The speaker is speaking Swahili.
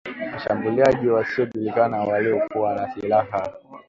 Washambuliaji wasiojulikana waliokuwa na silaha